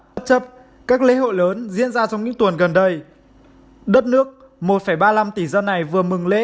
bất chấp các lễ hội lớn diễn ra trong những tuần gần đây đất nước một ba mươi năm tỷ dân này vừa mừng lễ